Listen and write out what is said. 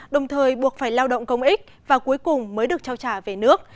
đồng thời buộc phải lao động công ích và cuối cùng mới được trao trả về nước